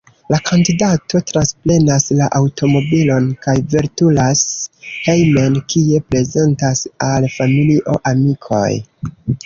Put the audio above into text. La kandidato transprenas la aŭtomobilon kaj veturas hejmen, kie prezentas al familio, amikoj.